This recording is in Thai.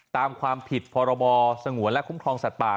ตามความผิดพรบสงวนและคุ้มครองสัตว์ป่า